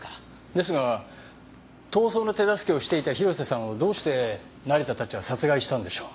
ですが逃走の手助けをしていた広瀬さんをどうして成田たちは殺害したんでしょう？